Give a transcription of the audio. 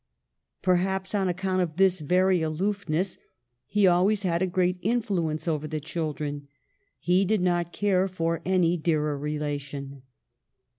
Perhaps on account of this very aloofness, he always had a great influ ence over the children ; he did not care for any dearer relation.